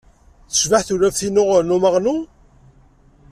Tecbeḥ tewlaft-inu n umaɣnu?